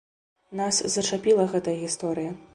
Нас зачапіла гэтая гісторыя.